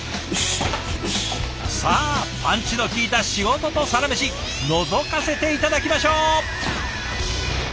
さあパンチのきいた仕事とサラメシのぞかせて頂きましょう！